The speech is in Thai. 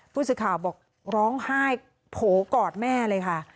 ผู้สื่อข่าวบอกร้องไห้โผล่กอดแม่เลยค่ะ